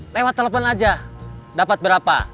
lewat telepon aja dapat berapa